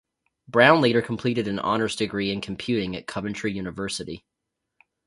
Brown later completed an honours degree in computing at Coventry University.